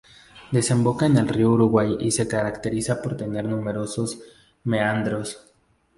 Desemboca en el Río Uruguay y se caracteriza por tener numerosos meandros.